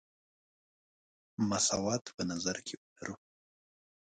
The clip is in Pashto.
مساوات په نظر کې ولرو.